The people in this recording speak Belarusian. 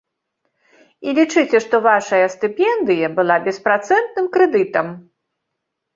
І лічыце, што вашая стыпендыя была беспрацэнтным крэдытам!